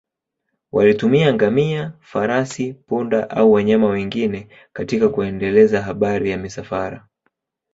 Walitumia ngamia, farasi, punda au wanyama wengine katika kuendeleza biashara ya misafara.